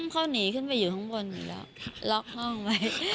เข้านีขึ้นไปอยู่ข้างบนบีแล้วล็อกห้องไป